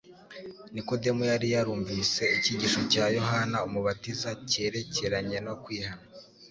Nikodemu yari yarumvise icyigisho cya Yohana Umubatiza cyerekeranye no kwihana